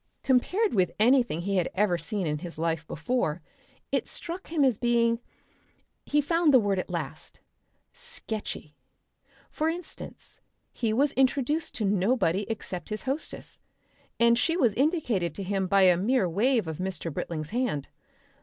Compared with anything he had ever seen in his life before it struck him as being he found the word at last sketchy. For instance, he was introduced to nobody except his hostess, and she was indicated to him by a mere wave of Mr. Britling's hand.